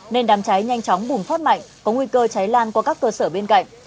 nên đám cháy nhanh chóng bùng phát mạnh có nguy cơ cháy lan qua các cơ sở bên cạnh